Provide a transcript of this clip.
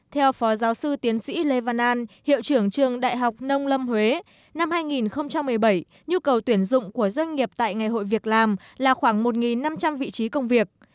theo phó giáo sư tiến sĩ lê văn an hiệu trưởng trường đại học nông lâm huế năm hai nghìn một mươi bảy nhu cầu tuyển dụng của doanh nghiệp tại ngày hội việc làm là khoảng một năm trăm linh vị trí công việc